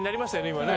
今ね。